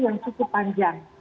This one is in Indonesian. yang cukup panjang